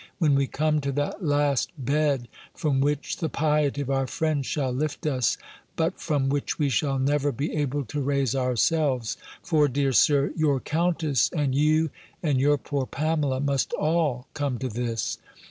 when we come to that last bed, from which the piety of our friends shall lift us, but from which we shall never be able to raise ourselves; for, dear Sir, your Countess, and you, and your poor Pamela, must all come to this!